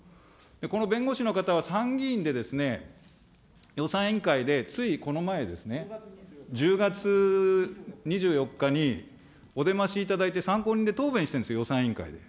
この弁護士の方は参議院で、予算委員会で、ついこの前ですね、１０月２４日に、お出ましいただいて参考人で答弁してるんですよ、予算委員会で。